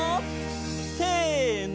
せの！